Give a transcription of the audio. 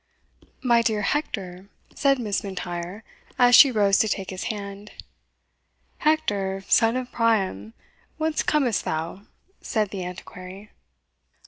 "My dear Hector!" said Miss M'Intyre, as she rose to take his hand "Hector, son of Priam, whence comest thou?" said the Antiquary.